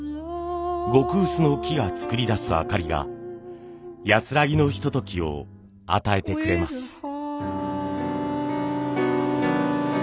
極薄の木が作り出す灯りが安らぎのひとときを与えてくれます。